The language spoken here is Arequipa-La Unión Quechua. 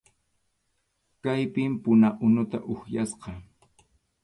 Kaypim puna unuta upyasqa.